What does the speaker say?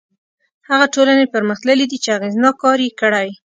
هغه ټولنې پرمختللي دي چې اغېزناک کار یې کړی.